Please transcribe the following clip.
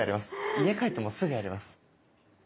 家帰ってもうすぐやります。